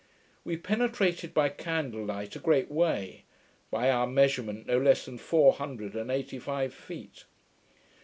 We penetrated, by candlelight, a great way; by our measurement, no less than four hundred and eighty five feet.